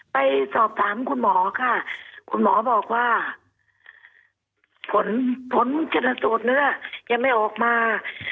ไปสอบถามคุณหมอค่ะคุณหมอบอกว่าผลผลชนสูตรเนื้อยังไม่ออกมา